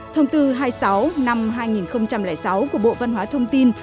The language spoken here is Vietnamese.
thông tư hai mươi sáu năm hai nghìn sáu của bộ văn hóa thông tin